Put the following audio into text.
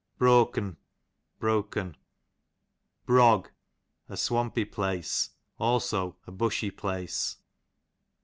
Brok'n, broken. Brog, a sivampy place; also a bushy place.